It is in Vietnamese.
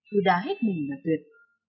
đưa đá hết mình là tuyệt